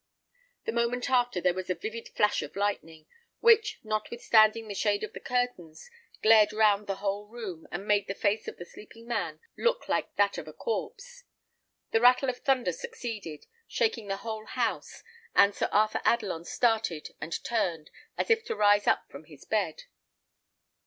The moment after, there was a vivid flash of lightning, which, notwithstanding the shade of the curtains, glared round the whole room, and made the face of the sleeping man look like that of a corpse. The rattle of the thunder succeeded, shaking the whole house; and Sir Arthur Adelon started and turned, as if to rise up from his bed.